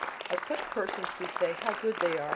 Of such persons we say: "How good they are!